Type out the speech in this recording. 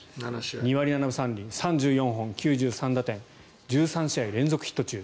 ２割７分３厘３４本、９３打点１３試合連続ヒット中。